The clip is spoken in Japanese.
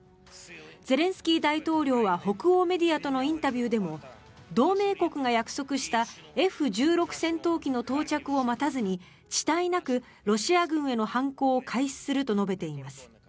ゼレンスキー大統領は北欧メディアとのインタビューでも同盟国が約束したＦ１６戦闘機の到着を待たずに遅滞なくロシア軍への反攻を開始すると述べています。